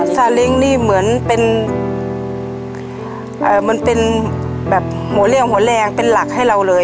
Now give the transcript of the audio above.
ซาเล้งนี่เหมือนเป็นมันเป็นแบบหัวเลี่ยวหัวแรงเป็นหลักให้เราเลย